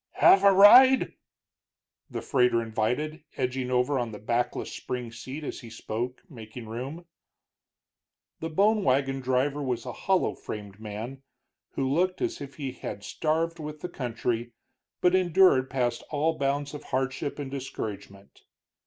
"Have a ride?" the freighter invited, edging over on the backless spring seat as he spoke, making room. The bone wagon driver was a hollow framed man, who looked as if he had starved with the country but endured past all bounds of hardship and discouragement.